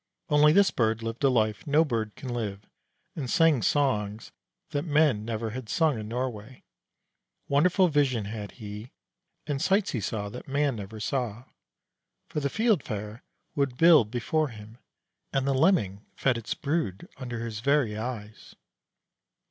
Only this bird lived a life no bird can live, and sang songs that men never had sung in Norway. Wonderful vision had he, and sights he saw that man never saw. For the Fieldfare would build before him, and the Lemming fed its brood under his very eyes.